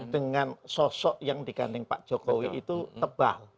dengan sosok yang diganding pak jokowi itu tebal